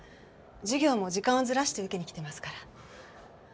授業も時間をずらして受けに来てますから。